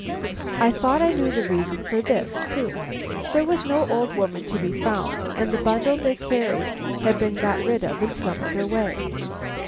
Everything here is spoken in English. I thought I knew the reason of this too. There was no old woman to be found, and the bundle they carried had been got rid of some other way.